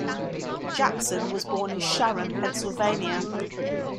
Jackson was born in Sharon, Pennsylvania.